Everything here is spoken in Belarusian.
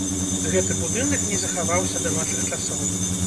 Гэты будынак не захаваўся да нашых часоў.